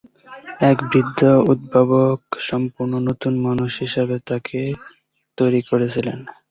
এক বৃদ্ধ উদ্ভাবক সম্পূর্ণ নতুন মানুষ হিসেবে তাকে তৈরি করেছিলেন।